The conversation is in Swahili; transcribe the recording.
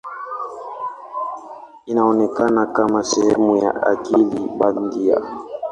Inaonekana kama sehemu ya akili bandia.